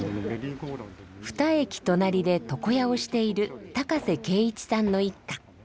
二駅隣で床屋をしている高瀬桂一さんの一家。